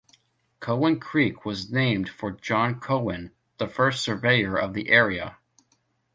Cowan Creek was named for John Cowan, the first surveyor of the area.